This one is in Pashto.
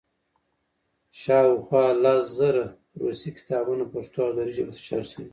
شاوخوا لس زره روسي کتابونه پښتو او دري ژبو ته چاپ شوي.